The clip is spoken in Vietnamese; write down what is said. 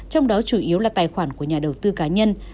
trong đó chủ yếu là tài khoản của nhà đầu tư cá nhân